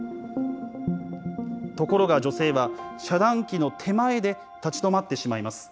ところが女性は、遮断機の手前で立ち止まってしまいます。